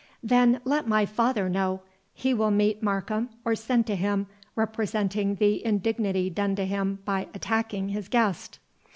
"Then let my father know. He will meet Markham, or send to him, representing the indignity done to him by attacking his guest."